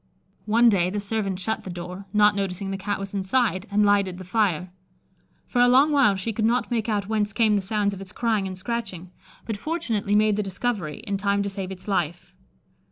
One day the servant shut the door, not noticing the Cat was inside, and lighted the fire. For a long while she could not make out whence came the sounds of its crying and scratching, but fortunately made the discovery in time to save its life.